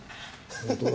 本当だ。